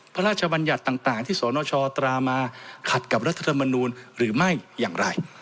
พระราชบัญญัติต่างที่สนชตรามาขัดกับรัฐธรรมนูลหรือไม่อย่างไร